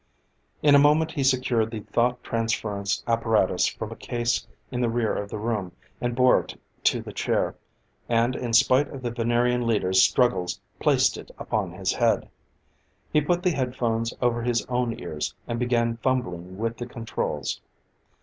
In a moment he secured the thought transference apparatus from a case in the rear of the room, and bore it to the chair, and in spite of the Venerian leader's struggles, placed it upon his head. He put the head phones over his own ears, and began fumbling with the controls.